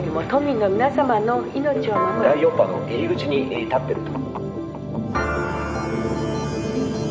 「第４波の入り口に立ってると」。